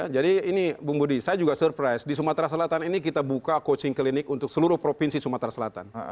jadi ini bung budi saya juga surprise di sumatera selatan ini kita buka coaching clinic untuk seluruh provinsi sumatera selatan